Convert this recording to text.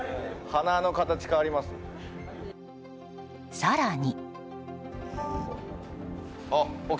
更に。